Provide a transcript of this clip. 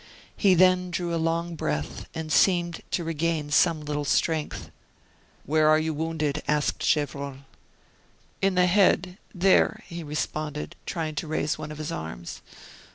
He then drew a long breath, and seemed to regain some little strength. "Where are you wounded?" asked Gevrol. "In the head, there," he responded, trying to raise one of his arms.